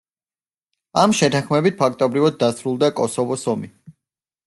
ამ შეთანხმებით ფაქტობრივად დასრულდა კოსოვოს ომი.